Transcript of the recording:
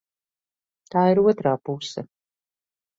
Tā ir otrā puse.